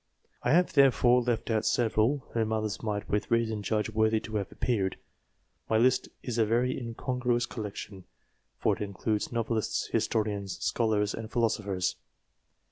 I have, therefore, left out several, whom others might with reason judge worthy to have appeared. My list is a very incongruous collection ; for it includes novelists, historians, scholars, and philosophers.